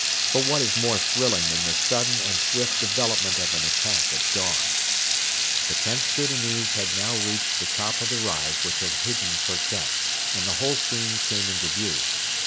For what is more thrilling than the sudden and swift development of an attack at dawn? The Xth Soudanese had now reached the top of the rise which had hidden Firket, and the whole scene came into view.